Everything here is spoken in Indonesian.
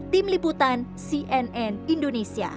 tim liputan cnn indonesia